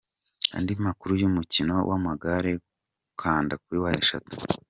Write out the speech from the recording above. Andi makuru y’umukino w’amagare kanda www.